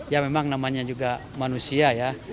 ya memang namanya juga manusia ya